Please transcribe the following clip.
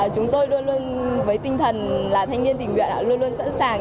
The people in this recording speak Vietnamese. chúng tôi luôn luôn với tinh thần là thanh niên tình nguyện luôn luôn sẵn sàng